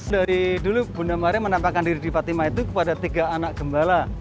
dari dulu bunda maria menampakkan diri di fatima itu kepada tiga anak gembala